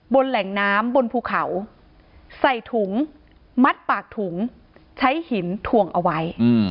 แหล่งน้ำบนภูเขาใส่ถุงมัดปากถุงใช้หินถ่วงเอาไว้